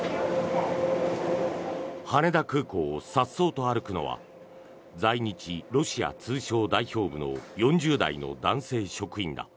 羽田空港をさっそうと歩くのは在日ロシア通商代表部の４０代の男性職員だ。